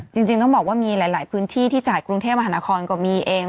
จริงต้องบอกว่ามีหลายพื้นที่ที่จ่ายกรุงเทพมหานครก็มีเอง